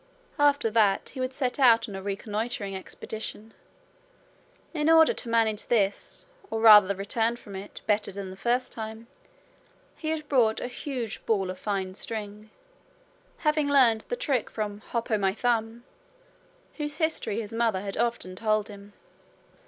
After that, he would set out on a reconnoitring expedition. In order to manage this, or rather the return from it, better than the first time, he had bought a huge ball of fine string, having learned the trick from Hop o' my Thumb, whose history his mother had often told him.